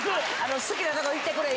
好きなとこ行ってくれ！